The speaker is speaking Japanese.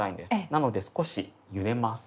なので少しゆでます。